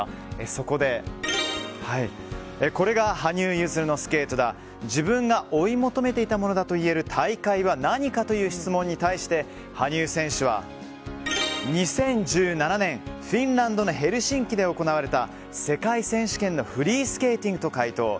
そこでこれが羽生結弦のスケートだ自分が追い求めていたものだといえる大会は何かという質問に対して羽生選手は２０１７年、フィンランドのヘルシンキで行われた世界選手権のフリースケーティングと回答。